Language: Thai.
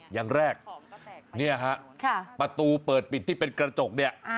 อย่างแรกเนี่ยฮะประตูเปิดปิดที่เป็นกระจกเนี่ย